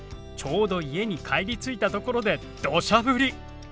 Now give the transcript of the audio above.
ちょうど家に帰りついたところでどしゃ降り。